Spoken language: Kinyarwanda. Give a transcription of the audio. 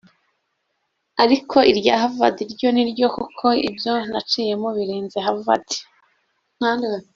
Ariko irya Havard ryo ni ryo kuko ibyo naciyemo birenze ’Harvard’